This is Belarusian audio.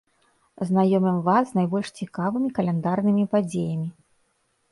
Знаёмім вас з найбольш цікавымі каляндарнымі падзеямі.